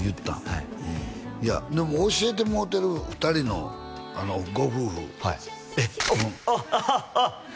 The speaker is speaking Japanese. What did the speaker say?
はいでも教えてもろうてる２人のご夫婦はいえっ？おっああああ！